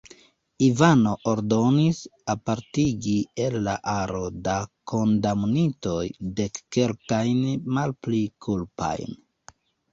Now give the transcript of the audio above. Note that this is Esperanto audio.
Ivano ordonis apartigi el la aro da kondamnitoj dekkelkajn malpli kulpajn.